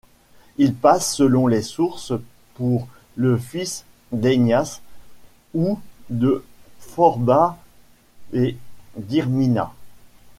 Il passe, selon les sources, pour le fils d'Hagnias ou de Phorbas et d'Hyrmina.